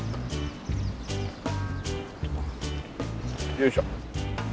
よいしょ。